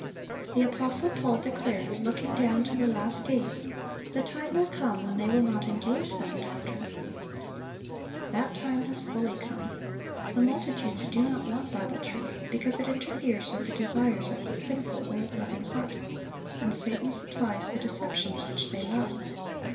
The apostle Paul declared, looking down to the last days, "The time will come when they will not endure sound doctrine."(1030) That time has fully come. The multitudes do not want Bible truth, because it interferes with the desires of the sinful, world loving heart; and Satan supplies the deceptions which they love.